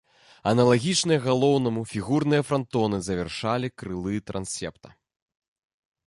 Аналагічныя галоўнаму фігурныя франтоны завяршалі крылы трансепта.